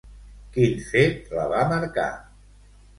Quin fet la va marcar?